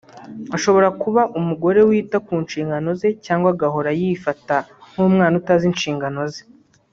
ashobora kuba umugore wita ku nshingano ze cyangwa agahora yifata nk’umwana utazi inshingano ze